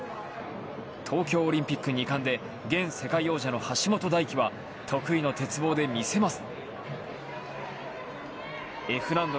東京オリンピック２冠で現世界王者の橋本大輝は得意の鉄棒で見せます。